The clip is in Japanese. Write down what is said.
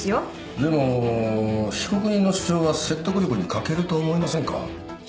でも被告人の主張は説得力に欠けると思いませんか？